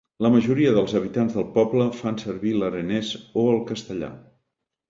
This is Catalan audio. La majoria dels habitants del poble fan servir l'Aranès o el Castellà.